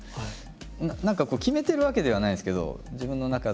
何か決めてるわけではないんですけど自分の中で。